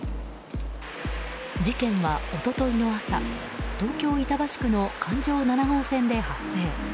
事件は一昨日の朝、東京・板橋区の環状７号線で発生。